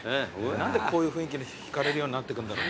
何でこういう雰囲気に引かれるようになってくんだろう。